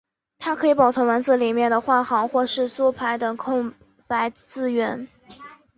它可以保存文字里面的换行或是缩排等空白字元。